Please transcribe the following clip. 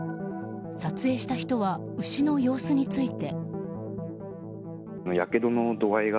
撮影した人は牛の様子について。